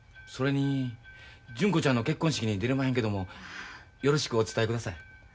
それに純子ちゃんの結婚式に出れまへんけどもよろしくお伝えください。